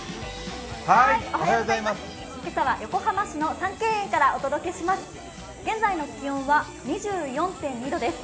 今朝は、横浜市の三渓園からお届けします。